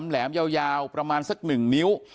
แหลมยาวประมาณสัก๑นิ้ว